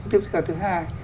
tiếp theo là thứ hai